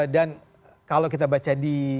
dan kalau kita baca di